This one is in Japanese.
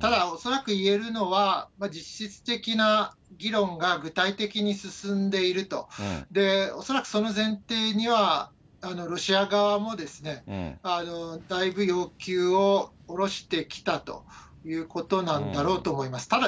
ただ、恐らく言えるのは、実質的な議論が、具体的に進んでいると、恐らくその前提には、ロシア側もですね、だいぶ要求をおろしてきたということなんだろうと思います。